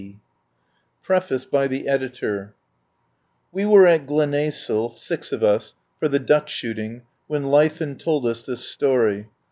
209 PREFACE BY THE EDITOR We were at Glenaicill — six of us — for the duck shooting, when Leithen told us this story.